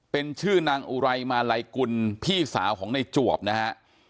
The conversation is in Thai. เป็นชื่อนางอุไรมาลัยกุลพี่สาวของในจวบนะฮะ